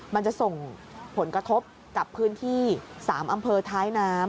มันจะส่งผลกระทบกับพื้นที่๓อำเภอท้ายน้ำ